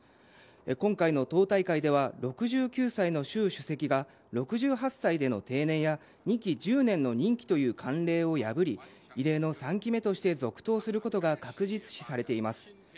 今回の党大会では６９歳の習首席が６８歳の定年や２期１０年の任期という慣例を破り異例の３期目として続投することが確実視されています。